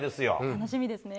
楽しみですね。